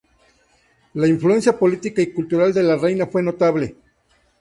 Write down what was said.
La influencia política y cultural de la reina fue notable.